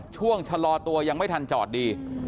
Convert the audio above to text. ชะลอตัวยังไม่ทันจอดดี